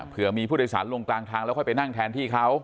เพื่อมีผู้โดยสารลงกลางทางแล้วค่อยไปนั่งแทนที่เขา